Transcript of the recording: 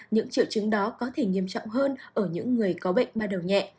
những triệu chứng đó có thể nghiêm trọng hơn ở những người có bệnh ba đầu nhẹ